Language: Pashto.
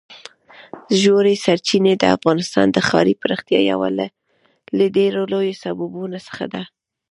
ژورې سرچینې د افغانستان د ښاري پراختیا یو له ډېرو لویو سببونو څخه ده.